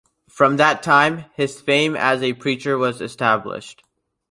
From that time his fame as a preacher was established.